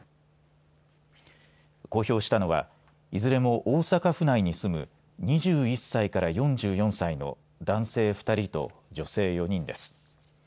公表したのはいずれも大阪府内に住む２１歳から４４歳の男性２人と女性４人です。